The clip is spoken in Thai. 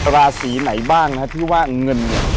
ราศีไหนบ้างนะฮะที่ว่าเงินเนี่ย